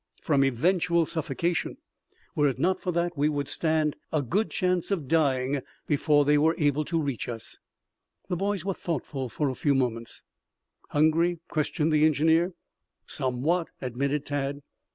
"From eventual suffocation. Were it not for that we would stand a good chance of dying before they were able to reach us." The boys were thoughtful for a few moments. "Hungry?" questioned the engineer. "Somewhat," admitted Tad.